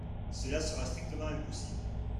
Cela sera strictement impossible.